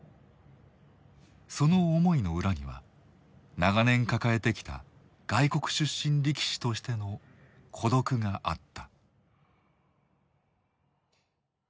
その思いの裏には長年抱えてきた外国出身力士としての孤独があった。